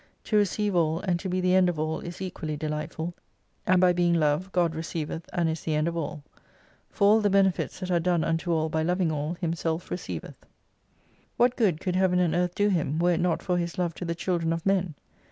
To receive all and to be the End of all is equally delightful, and by being Love God receiveth, and is the End of all. For all the benefits that are done unto all, by loving all, Himself receiveth: H 113 What good could Heaven and Earth do Him, were it not for His Love to the children of men